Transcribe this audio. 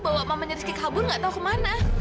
bawa mamanya rizky kabur nggak tahu kemana